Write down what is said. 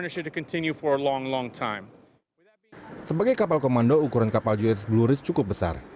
sebagai kapal komando ukuran kapal us blue ridge cukup besar